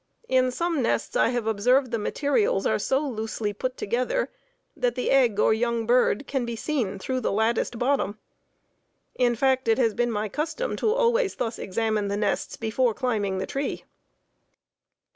In some nests I have observed the materials are so loosely put together that the egg or young bird can be seen through the latticed bottom. In fact, it has been my custom to always thus examine the nests before climbing the tree.